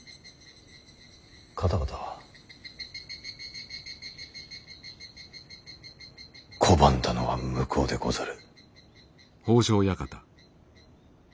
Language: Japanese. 方々拒んだのは向こうでござる。